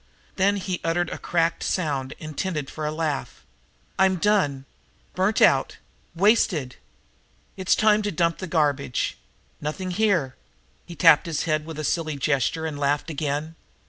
Then he uttered a cracked sound intended for a laugh. "I'm done burnt out wasted! It's time to dump the garbage. Nothing here." He tapped his head with a silly gesture and laughed again.